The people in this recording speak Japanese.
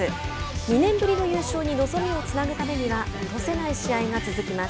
２年ぶりの優勝に望みをつなぐためには落とせない試合が続きます。